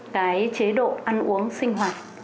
cái chế độ ăn uống sinh hoạt